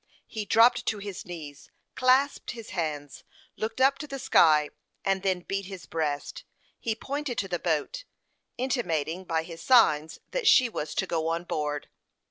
He dropped on his knees, clasped his hands, looked up to the sky, and then beat his breast. He pointed to the boat, intimating by his signs that she was to go on board.